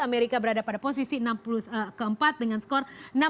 amerika berada pada posisi keempat dengan skor enam puluh